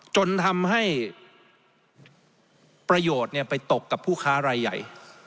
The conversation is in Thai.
จนทำให้ประโยชน์ไปตกกับผู้ค้ารายใหญ่